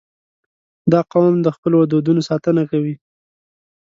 • دا قوم د خپلو دودونو ساتنه کوي.